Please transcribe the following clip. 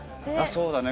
そうだね。